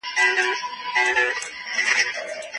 ښوونځي ته وختي ورشئ.